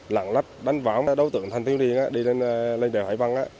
lạng lách đánh võng đấu tượng thanh thiếu niên đi lên đèo hải vân